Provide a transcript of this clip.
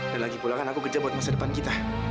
dan lagi pula kan aku kerja buat masa depan kita